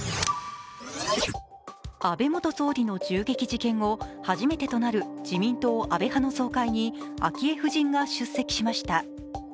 安倍元総理の銃撃事件後、初めてとなる自民党安倍派の総会に昭恵夫人が出席しました。